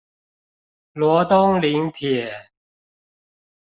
羅東林鐵